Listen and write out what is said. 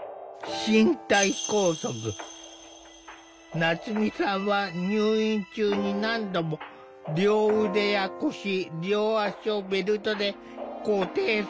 夏実さんは入院中に何度も両腕や腰両足をベルトで固定されたという。